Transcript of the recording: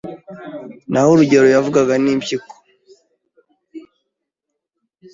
naho rugero yavugaga ni impyiko